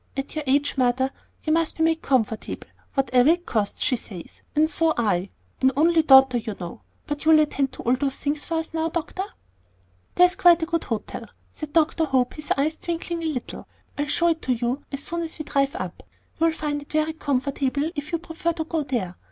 'At your age, Mother, you must be made comfortable, whatever it costs,' she says; and so I An only daughter, you know but you'll attend to all those things for us now, Doctor." "There's quite a good hotel," said Dr. Hope, his eyes twinkling a little; "I'll show it to you as we drive up. You'll find it very comfortable if you prefer to go there.